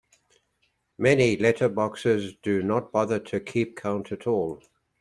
Many letterboxers do not bother to keep count at all.